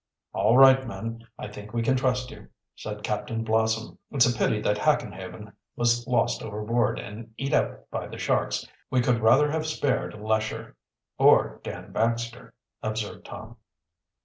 "All right, men, I think we can trust you," said Captain Blossom. "It's a pity that Hackenhaven was lost overboard and eat up by the sharks. We could rather have spared Lesher." "Or Dan Baxter," observed Tom.